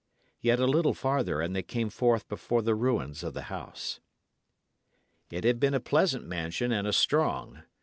Yet a little farther and they came forth before the ruins of the house. It had been a pleasant mansion and a strong.